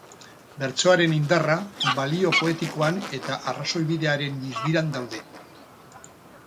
Bertsoaren indarra balio poetikoan eta arrazoibidearen distiran daude.